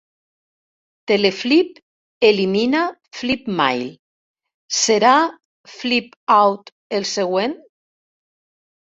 Teleflip elimina Flipmail. Serà Flipout el següent?